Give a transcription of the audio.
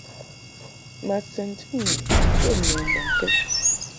Ma sɛnti mbum bə nu mbɔŋkɛd.